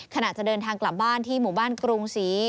ขณะจะเดินทางกลับบ้านที่หมู่บ้านกรุงศรี